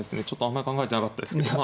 あんまり考えてなかったですけど。